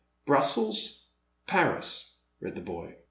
Brussels — Paris, read the boy.